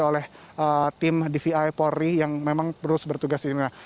oleh tim dvi polri yang memang terus bertugas ini